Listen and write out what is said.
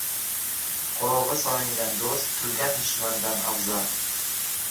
• Qovog‘i solingan do‘st kulgan dushmandan afzal.